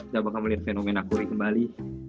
gak bakal melihat fenomena kuri kembali